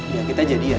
ya kita jadian